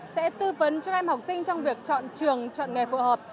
sẽ tư vấn cho em học sinh trong việc chọn trường chọn nghề phù hợp